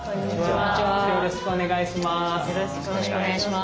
よろしくお願いします。